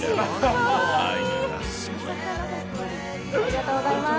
ありがとうございます。